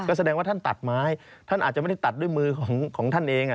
แสดงว่าท่านตัดไม้ท่านอาจจะไม่ได้ตัดด้วยมือของท่านเอง